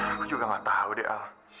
aku juga gak tau deh al